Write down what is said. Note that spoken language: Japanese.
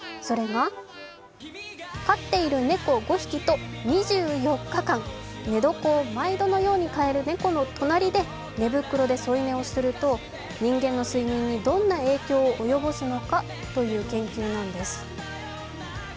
それが飼っている猫５匹と実に２４日間、寝床を毎度のように変える猫の隣で添い寝をすると人間の睡眠にどんな影響を及ぼすのかという研究なんです。